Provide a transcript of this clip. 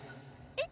えっ！